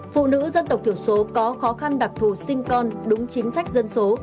phụ nữ dân tộc thiểu số có khó khăn đặc thù sinh con đúng chính sách dân số